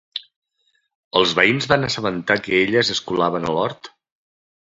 Els veïns van assabentar que elles es colaven a l'hort?